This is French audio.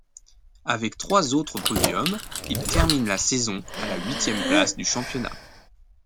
Avec trois autres podiums, il termine la saison à la huitième place du championnat.